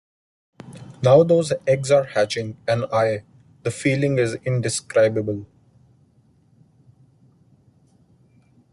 Now those eggs are hatching and I... the feeling is indescribable.